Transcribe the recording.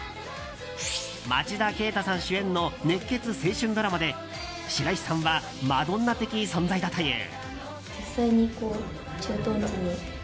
町田啓太さん主演の熱血青春ドラマで白石さんはマドンナ的存在だという。